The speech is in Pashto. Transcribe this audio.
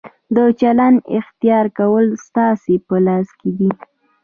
د چلند اختیار کول ستاسو په لاس کې دي.